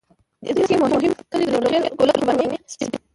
په دې سیمه کې مهم کلی د نوره خیل، کولک، قرباني، سپین .